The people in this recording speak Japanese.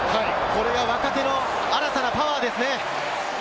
これが若手の新たなパワーですね。